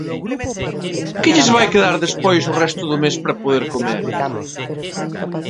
¿Que lles vai quedar despois o resto do mes para poder comer?